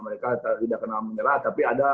mereka tidak kenal menyerah tapi ada